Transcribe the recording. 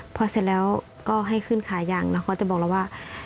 พอเสร็จแล้วก็ให้ขึ้นขายังแล้วเขาจะบอกเราว่า